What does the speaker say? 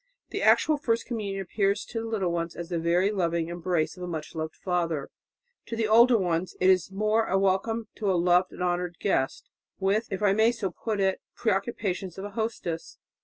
... The actual first communion appears to the little ones as the very loving embrace of a much loved Father; to the older ones it is more a welcome to a loved and honoured guest, with if I may so put it the preoccupations of a hostess."